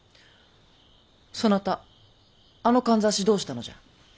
そなたあのかんざしどうしたのじゃ。